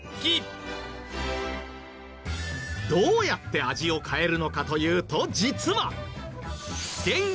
どうやって味を変えるのかというと実は。